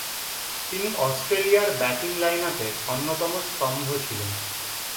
তিনি অস্ট্রেলিয়ার ব্যাটিং লাইনআপের অন্যতম স্তম্ভ ছিলেন।